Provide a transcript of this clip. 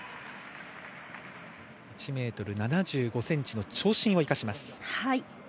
１ｍ７５ｃｍの長身を生かします。